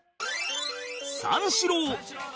三四郎